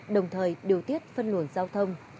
đồng thời điều tiết phân luận giao thông